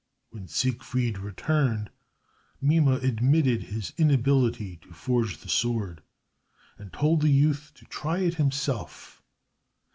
When Siegfried returned, Mime admitted his inability to forge the sword, and told the youth to try it himself.